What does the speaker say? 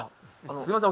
すいません